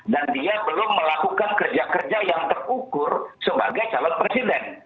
dan dia belum melakukan kerja kerja yang terukur sebagai calon presiden